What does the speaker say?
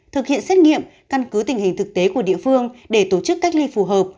thực hiện xét nghiệm căn cứ tình hình thực tế của địa phương để tổ chức cách ly phù hợp